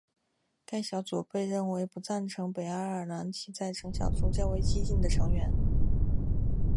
该小组被认为不赞成北爱尔兰和平进程及在橙带党中较为激进的成员。